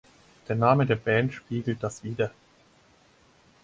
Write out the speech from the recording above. Der Name der Band spiegelt das wider.